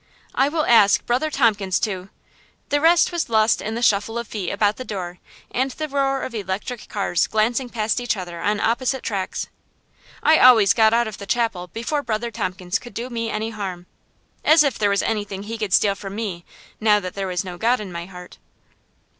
I will ask Brother Tompkins to " The rest was lost in the shuffle of feet about the door and the roar of electric cars glancing past each other on opposite tracks. I always got out of the chapel before Brother Tompkins could do me any harm. As if there was anything he could steal from me, now that there was no God in my heart!